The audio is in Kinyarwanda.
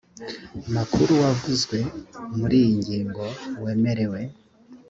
makuru wavuzwe mui iyi ngingo wemerewe